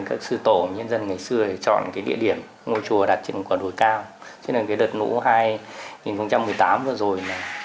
cho những hộ dân nghèo của chính quyền địa phương